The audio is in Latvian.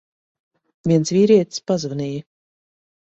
Viens vīrietis pazvanīja.